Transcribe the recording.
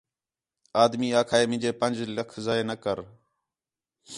آدمی آکھا ہِے مینجے پنڄ لکھ ضائع نہ کر